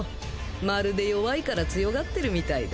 まるで弱いから強がってるみたいだ。